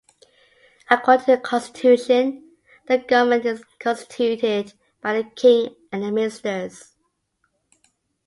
According to the constitution, the Government is constituted by the King and the ministers.